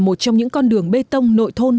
một trong những con đường bê tông nội thôn